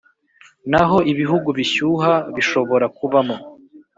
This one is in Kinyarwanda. naho ibihugu bishyuha bishobora kubamo